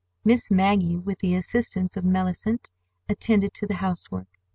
Miss Maggie, with the assistance of Mellicent, attended to the housework.